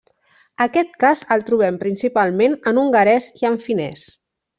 Aquest cas el trobem principalment en hongarès i en finès.